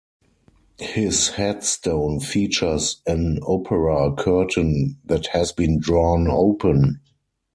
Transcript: His headstone features an opera curtain that has been drawn open.